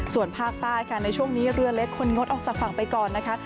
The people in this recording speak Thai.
ส่วนภาคใต้ค่ะในช่วงนี้เรือเล็กควรงดออกจากฝั่งไปก่อนนะคะ